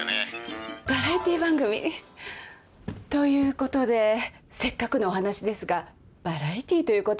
バラエティー番組。ということでせっかくのお話ですがバラエティーということで。